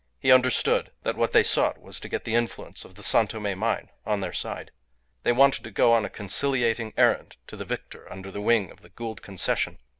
He understood that what they sought was to get the influence of the San Tome mine on their side. They wanted to go on a conciliating errand to the victor under the wing of the Gould Concession.